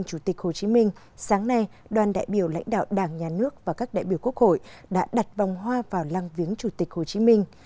chủ tịch hồ chí minh sáng nay đoàn đại biểu lãnh đạo đảng nhà nước và các đại biểu quốc hội đã đặt vòng hoa vào lăng viếng chủ tịch hồ chí minh